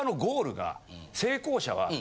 成功者は。